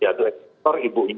dia itu ekstor ibu anak